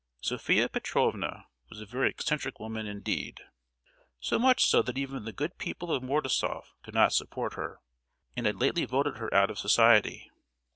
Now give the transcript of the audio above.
Sophia Petrovna was a very eccentric woman indeed—so much so that even the good people of Mordasoff could not support her, and had lately voted her out of society.